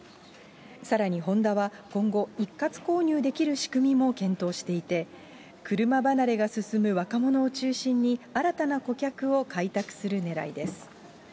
さらにホンダは今後、一括購入できる仕組みも検討していて、車離れが進む若者を中心に新たな顧客を開拓するねらいです。